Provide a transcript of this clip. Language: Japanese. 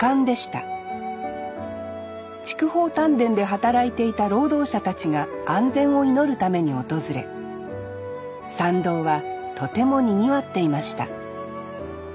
筑豊炭田で働いていた労働者たちが安全を祈るために訪れ参道はとてもにぎわっていました